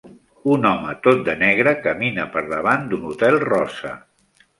Un home tot de negre camina per davant d'un hotel rosa.